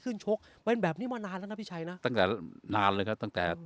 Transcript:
ชกเป็นแบบนี้มานานแล้วนะพี่ชัยนะตั้งแต่นานเลยครับตั้งแต่